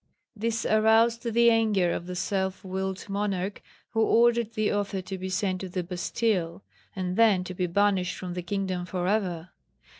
This aroused the anger of the self willed monarch, who ordered the author to be sent to the Bastille, and then to be banished from the kingdom for ever.